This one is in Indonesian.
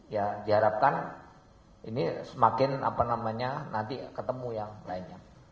ya diharapkan ini semakin apa namanya nanti ketemu yang lainnya